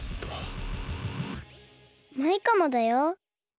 マイカもだよ。